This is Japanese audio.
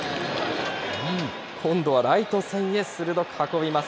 今度はライト線へ鋭く運びます。